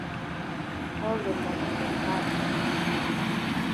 All de moni dem high.